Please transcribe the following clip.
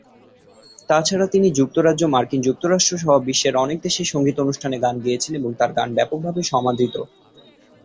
তাছাড়া তিনি যুক্তরাজ্য, মার্কিন যুক্তরাষ্ট্র সহ বিশ্বের অনেক দেশেই সংগীত অনুষ্ঠানে গান গেয়েছেন এবং তার গান ব্যাপকভাবে সমাদৃত।